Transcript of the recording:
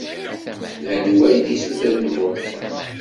D anwa i d-isutren vodka?